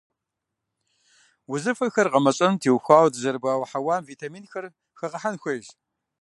Узыфэхэр гъэмэщӀэным теухуауэ дызэрыбауэ хьэуам витаминхэр хэгъэхьэн хуейщ.